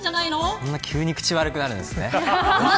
こんな急に口が悪くなるんですね。